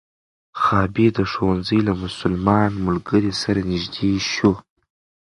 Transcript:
غابي د ښوونځي له مسلمان ملګري سره نژدې شو.